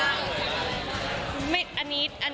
เขาบ้างไงบ้าง